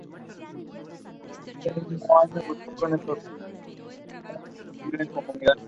Báez ha publicado seis poemarios.